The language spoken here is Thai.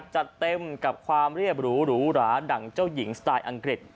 จัดเต็มกับความเรียบหรูหรูหราดั่งเจ้าหญิงสไตล์อังกฤษ